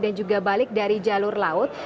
dan juga balik dari jalur laut